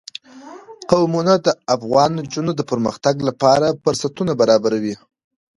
قومونه د افغان نجونو د پرمختګ لپاره فرصتونه برابروي.